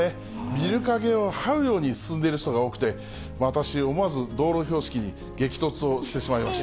ビル陰をはうように進んでいる人が多くて、私、思わず道路標識に激突をしてしまいました。